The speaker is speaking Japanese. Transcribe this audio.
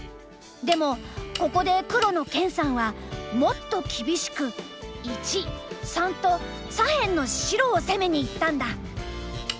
でもここで黒の研さんはもっと厳しく①③と左辺の白を攻めにいったんだ。